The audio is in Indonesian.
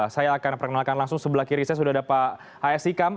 saya akan perkenalkan langsung sebelah kiri saya sudah ada pak h s ikam